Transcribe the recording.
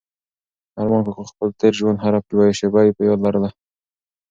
ارمان کاکا د خپل تېر ژوند هره یوه شېبه په یاد لرله.